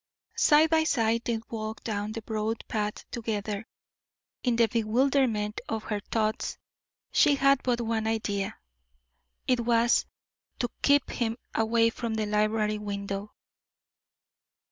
Side by side they walked down the broad path together; in the bewilderment of her thoughts she had but one idea it was to keep him away from the library window.